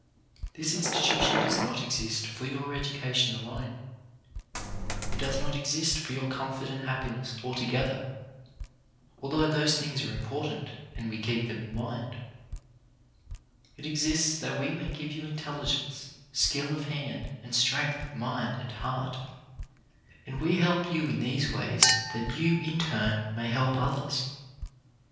This institution does not exist for your educa tion alone ; it does not exist for your comfort and happiness altogether, although those things are important, and we keep them in mind; it exists that we may give you intelligence, skill of hand, and strength of mind and heart ; and we help you in these ways that you, in turn, may help others.